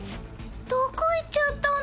どこ行っちゃったんだろう？